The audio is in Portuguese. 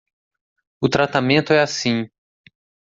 O tratamento é assim